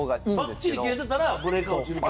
バッチリ切れてたらブレーカー落ちるけど。